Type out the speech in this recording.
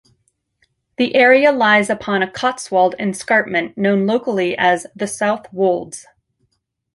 The area lies upon a Cotswold escarpment known locally as the 'South Wolds'.